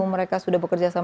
mereka sudah bekerjasama